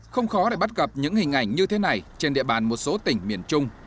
không khó để bắt gặp những hình ảnh như thế này trên địa bàn một số tỉnh miền trung